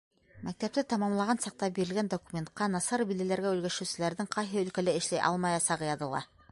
Мәктәпте тамамлаған саҡта бирелгән документҡа насар билдәләргә өлгәшеүселәрҙең ҡайһы өлкәлә эшләй алмаясағы яҙыла.